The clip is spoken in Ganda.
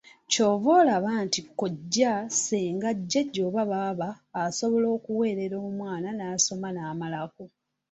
Ky’ova olaba nti kojja, ssenga, jjajja oba baaba asobola okuweerera omwana n’asoma n’amalako.